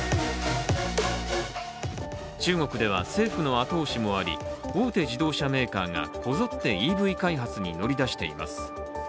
中国では、政府の後押しもあり大手自動車メーカーがこぞってＥＶ開発に乗り出しています。